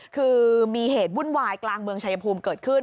คือมีเหตุวุ่นวายกลางเมืองชายภูมิเกิดขึ้น